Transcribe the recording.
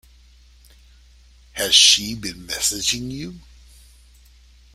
Has she been messaging you?